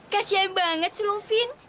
kasian banget sih lovin